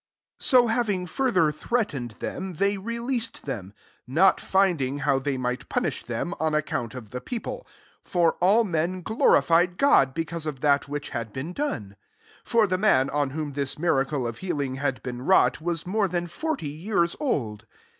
21 So having further threat ened them, they released them; not finding how they might punish them, on account of the people ; for all men glorified God because of that which had been done. 22 For the man on whom this miracle of heal ing had been wrought, was more than forty years old.